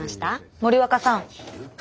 森若さん。